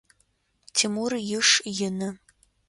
Тимур иш ины.